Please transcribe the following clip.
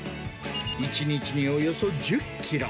１日におよそ１０キロ。